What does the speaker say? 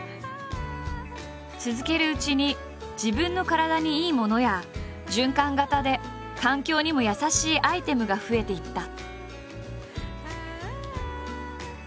続けるうちに自分の体にいいものや循環型で環境にも優しいアイテムが増えていった。